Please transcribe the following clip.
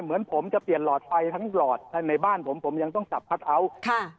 เหมือนผมจะเปลี่ยนหลอดไฟทั้งหลอดในบ้านผมผมยังต้องจับคัทเอาท์ค่ะ